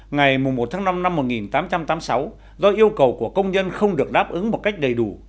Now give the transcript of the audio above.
ngày một tháng năm năm một nghìn tám trăm tám mươi sáu do yêu cầu của công nhân không được đáp ứng một cách đầy đủ